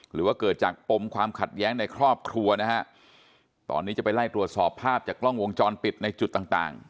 หรือว่าเกิดจากปมความขัดแย้งในครอบครัวนะฮะตอนนี้จะไปไล่ตรวจสอบภาพจากกล้องวงจรปิดในจุดต่างต่าง